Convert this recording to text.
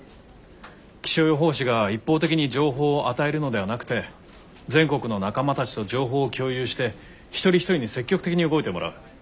気象予報士が一方的に情報を与えるのではなくて全国の仲間たちと情報を共有して一人一人に積極的に動いてもらう。